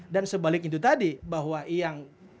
dan sebalik itu tadi bahwa yang